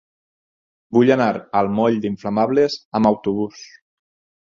Vull anar al moll d'Inflamables amb autobús.